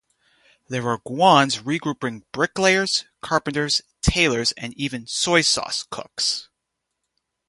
There were "guans" regrouping bricklayers, carpenters, tailors, and even soy sauce cooks.